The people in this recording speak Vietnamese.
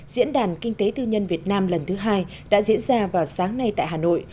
diễn đàn kinh tế tư nhân việt nam lần thứ hai đã diễn ra vào sáng nay tại hà nội